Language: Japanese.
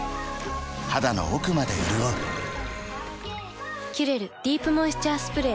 肌の奥まで潤う「キュレルディープモイスチャースプレー」